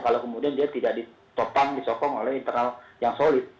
kalau kemudian dia tidak ditopang disokong oleh internal yang solid